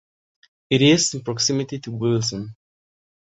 It is in proximity to Wilson.